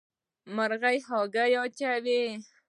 مرغۍ هګۍ اچوي.